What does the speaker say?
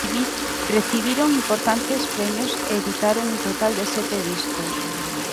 Recibiron importantes premios e editaron un total de sete discos.